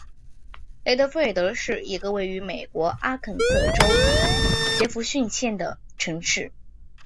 雷德菲尔德是一个位于美国阿肯色州杰佛逊县的城市。